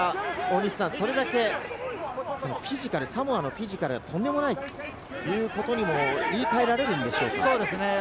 サモアのフィジカルがとんでもないということにも言い換えられるんでしょうか。